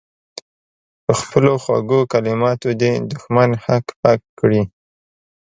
په خپلو خوږو کلماتو دې دښمن هک پک کړي.